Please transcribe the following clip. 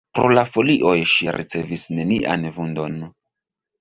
Pro la folioj ŝi ricevis nenian vundon.